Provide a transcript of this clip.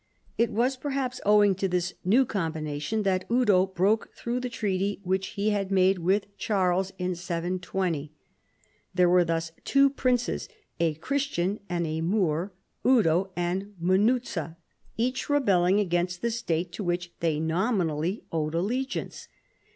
It was perhaps owing to this new combination that Eudo broke through the treaty which he had made with Charles in 720. There were thus two prin ces, a Christian and a Moor, Eudo and Munuza, each rebelling against the state to which they nominally owed allegiance.